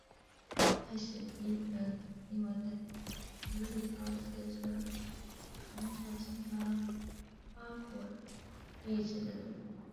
太史第更另外在广州市郊自设农场生产花果荔枝等等。